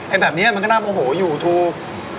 ไอ้แบบเนี้ยมันก็น่าเป็นโอโหอยู่ทูบ